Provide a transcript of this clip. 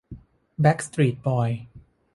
แบ็กสตรีทบอยส์